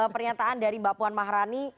pernyataan dari mbak puan maharani